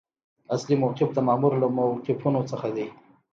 اصلي موقف د مامور له موقفونو څخه دی.